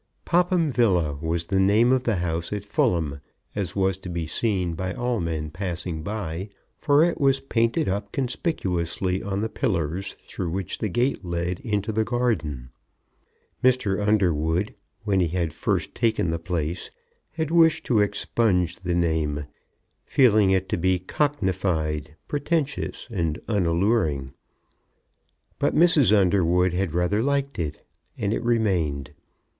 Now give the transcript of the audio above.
Popham Villa was the name of the house at Fulham, as was to be seen by all men passing by, for it was painted up conspicuously on the pillars through which the gate led into the garden. Mr. Underwood, when he had first taken the place, had wished to expunge the name, feeling it to be cockneyfied, pretentious, and unalluring. But Mrs. Underwood had rather liked it, and it remained.